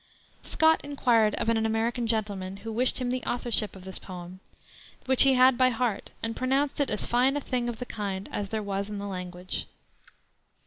Scott inquired of an American gentleman who wished him the authorship of this poem, which he had by heart, and pronounced it as fine a thing of the kind as there was in the language.